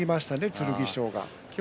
剣翔が。